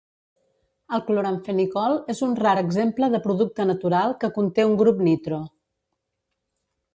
El cloramfenicol és un rar exemple de producte natural que conté un grup nitro.